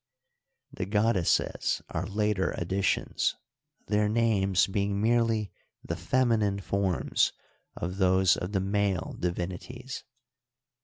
; the goddesses are later additions, their names being merely the feminine forms of those of the male di vinities.